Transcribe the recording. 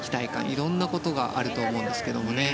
いろんなことがあると思うんですけれどもね。